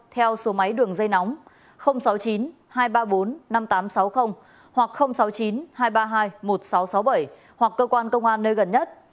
theo số máy đường dây nóng sáu mươi chín hai trăm ba mươi bốn năm nghìn tám trăm sáu mươi hoặc sáu mươi chín hai trăm ba mươi hai một nghìn sáu trăm sáu mươi bảy hoặc cơ quan công an nơi gần nhất